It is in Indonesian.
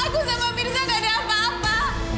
aku sama mirza gak ada apa apa